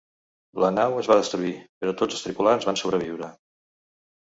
La nau es va destruir, però tots els tripulants van sobreviure.